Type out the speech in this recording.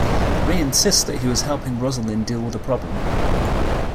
Ray insists that he was helping Rosalyn deal with a problem.